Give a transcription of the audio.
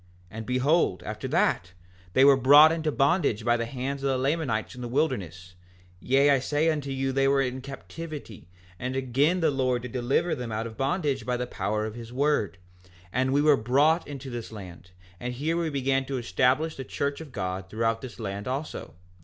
5:5 And behold, after that, they were brought into bondage by the hands of the Lamanites in the wilderness; yea, I say unto you, they were in captivity, and again the Lord did deliver them out of bondage by the power of his word; and we were brought into this land, and here we began to establish the church of God throughout this land also.